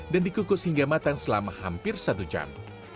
dan dikukus hingga matang selama hampir satu jam